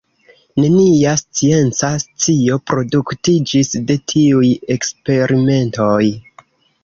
Nenia scienca scio produktiĝis de tiuj eksperimentoj.